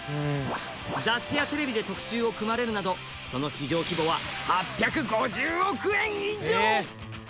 雑誌やテレビで特集を組まれるなどその市場規模は８５０億円以上！